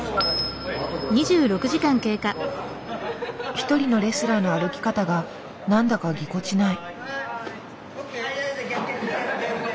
一人のレスラーの歩き方が何だかぎこちない。